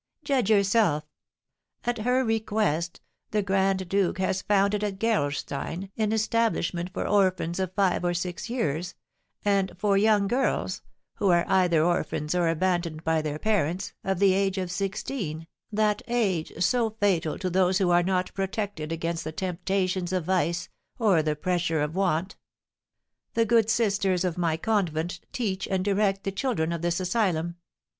Judge yourself. At her request the grand duke has founded at Gerolstein an establishment for orphans of five or six years, and for young girls (who are either orphans or abandoned by their parents) of the age of sixteen, that age so fatal to those who are not protected against the temptations of vice or the pressure of want. "The good sisters of my convent teach and direct the children of this asylum.